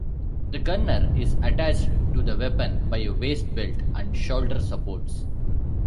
The gunner is attached to the weapon by a waist-belt and shoulder supports.